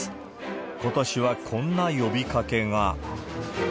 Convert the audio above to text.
ことしはこんな呼びかけが。